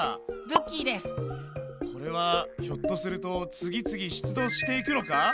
これはひょっとすると次々出土していくのか？